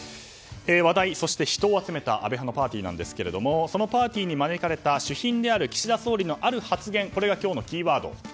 話題、そして人を集めた安倍派のパーティーですがそのパーティーに招かれた主賓である岸田総理大臣のある発言が今日のキーワード。